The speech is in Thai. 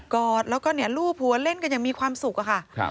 กอดแล้วก็รูปหัวเล่นกันยังมีความสุขค่ะ